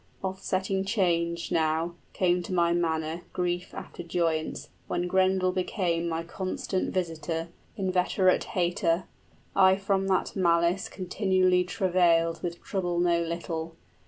offsetting change, now, {Sorrow after joy.} 30 Came to my manor, grief after joyance, When Grendel became my constant visitor, Inveterate hater: I from that malice Continually travailed with trouble no little.